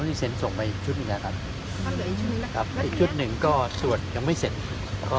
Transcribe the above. อีกชุดหนึ่งก็ตรวจยังไม่เสร็จ